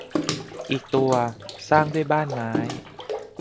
อีกตัว สร้างบ้านด้วยไม้